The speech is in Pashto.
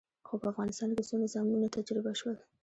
خو په افغانستان کې څو نظامونه تجربه شول.